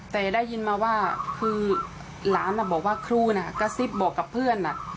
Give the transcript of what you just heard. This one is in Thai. แต่ได้ยินมาว่าคือหลานบอกว่าครูน่ะกระซิบบอกกับเพื่อน